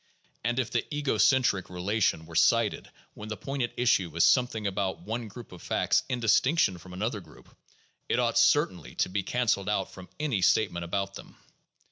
And if the 'ego centric' re lation were cited when the point at issue is something about one group of facts in distinction from another group, it ought certainly to be canceled out from any statement about them.